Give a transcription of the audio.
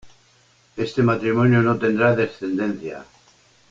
Este matrimonio no tendrá descendencia.